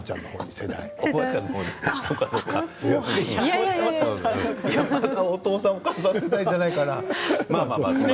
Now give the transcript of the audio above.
せめてお父さんお母さん世代じゃないかな？